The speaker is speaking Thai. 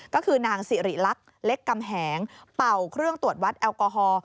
ก็คือนางสิริลักษณ์เล็กกำแหงเป่าเครื่องตรวจวัดแอลกอฮอล์